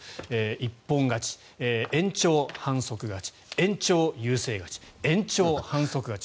一本勝ち、延長反則勝ち延長、優勢勝ち延長、反則勝ち。